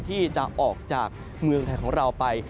ที่จะออกจากเมืองไทยของเราไป